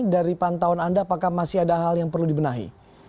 dari pantauan anda apakah masih ada hal yang perlu dibenahi